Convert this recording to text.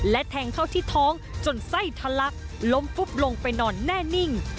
และแทงเข้าที่ท้องจนไส้ทะลักล้มปุ๊บลงไปนอนแน่นิ่ง